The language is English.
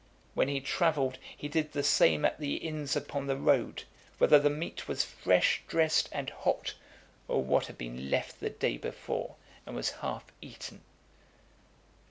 When he travelled, he did the same at the inns upon the road, whether the meat was fresh dressed and hot, or what had been left the day before, and was half eaten.